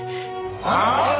ああ！？